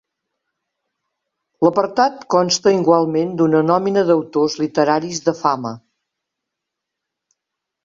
L'apartat consta igualment d'una nòmina d'autors literaris de fama.